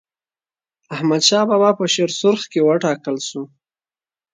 احمدشاه بابا په شیرسرخ کي و ټاکل سو.